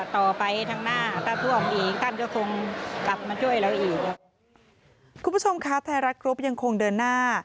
ไทยรัฐเการ์ยังคงเดินขึ้นมา